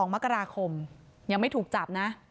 ๒มกราคมยังไม่ถูกจับนะ